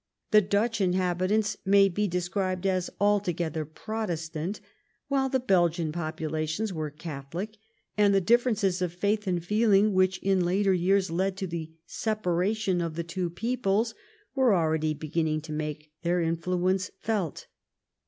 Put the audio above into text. The Dutch inhabitants may be described as altogether Prot estant, while the Belgian populations were Catholic, and the differences of faith and feeling which in later years led to the separation of the two peoples were already beginning to make their influence evident.